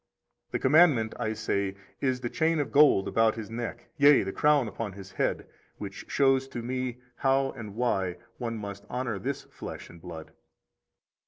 The commandment (I say) is the chain of gold about his neck, yea, the crown upon his head, which shows to me how and why one must honor this flesh and blood.